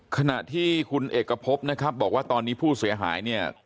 ขณะที่คุณเอกพบนะครับบอกว่าตอนนี้ผู้เสียหายเนี่ย